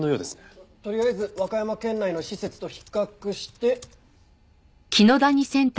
とりあえず和歌山県内の施設と比較して。